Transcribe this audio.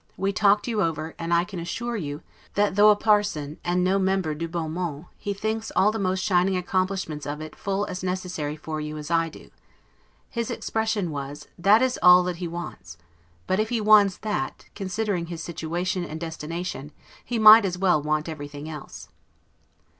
We talked you over; and I can assure you, that though a parson, and no member 'du beau monde', he thinks all the most shining accomplishments of it full as necessary for you as I do. His expression was, THAT IS ALL THAT HE WANTS; BUT IF HE WANTS THAT, CONSIDERING HIS SITUATION AND DESTINATION, HE MIGHT AS WELL WANT EVERYTHING ELSE.